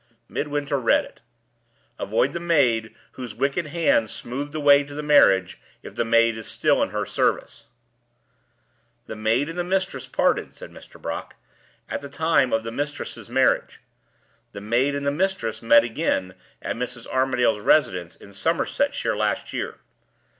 Midwinter read it: "Avoid the maid whose wicked hand smoothed the way to the marriage, if the maid is still in her service." "The maid and the mistress parted," said Mr. Brock, "at the time of the mistress's marriage. The maid and the mistress met again at Mrs. Armadale's residence in Somersetshire last year.